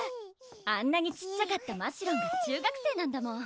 あんなに小っちゃかったましろんが中学生なんだもん